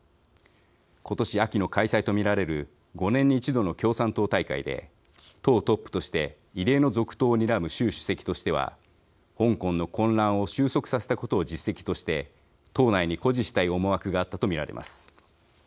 ことし秋の開催と見られる５年に１度の共産党大会で党トップとして異例の続投をにらむ習主席としては香港の混乱を収束させたことを実績として党内に誇示したい思惑があったと見られます。